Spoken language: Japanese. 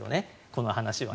この話は。